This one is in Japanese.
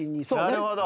なるほど。